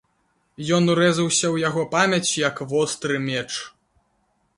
Ён урэзаўся ў яго памяць, як востры меч.